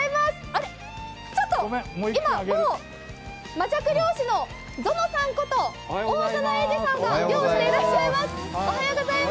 あれっ、ちょっと、もうマジャク漁師のゾノさんこと大園英二さんが漁をしてらっしゃいます。